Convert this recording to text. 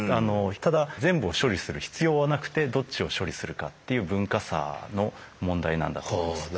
ただ全部を処理する必要はなくてどっちを処理するかっていう文化差の問題なんだと思います。